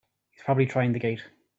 He's probably trying the gate!